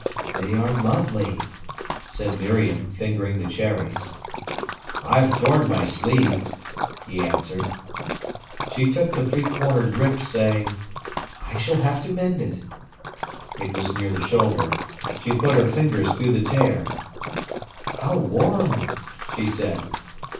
"They are lovely," said Miriam, fingering the cherries. "I've torn my sleeve," he answered. She took the three cornered rip, saying: "I shall have to mend it." It was near the shoulder. She put her fingers through the tear. "How warm!" she said.